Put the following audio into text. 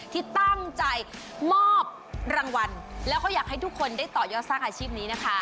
ที่ตั้งใจมอบรางวัลแล้วก็อยากให้ทุกคนได้ต่อยอดสร้างอาชีพนี้นะคะ